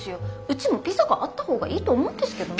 うちもピザがあった方がいいと思うんですけどね。